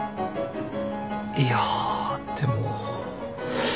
いやでも。